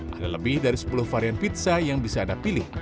ada lebih dari sepuluh varian pizza yang bisa anda pilih